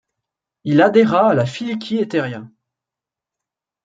Il adhéra à la Filikí Etería.